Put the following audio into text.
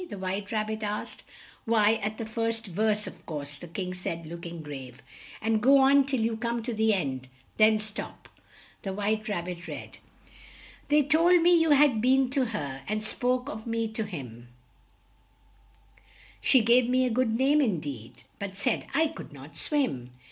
the White Rab bit asked. "Why at the first verse, of course," the King said look ing quite grave, "and go on till you come to the end; then stop." The White Rab bit read: "They told me you had been to her, And spoke of me to him: She gave me a good name, in deed, But said I could not swim.